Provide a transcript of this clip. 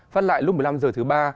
phát lại lúc một mươi năm h thứ ba